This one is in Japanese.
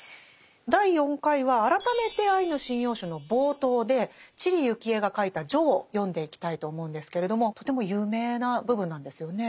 第４回は改めて「アイヌ神謡集」の冒頭で知里幸恵が書いた「序」を読んでいきたいと思うんですけれどもとても有名な部分なんですよね。